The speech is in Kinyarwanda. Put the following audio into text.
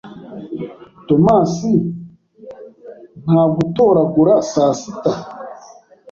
Tomasi ntagutoragura saa sita?